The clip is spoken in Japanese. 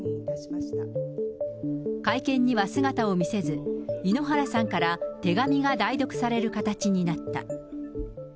会見には姿を見せず、井ノ原さんから手紙が代読される形になった。